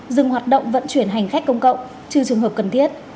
dừng hoạt động vận chuyển hành khách công cộng trừ trường hợp cần thiết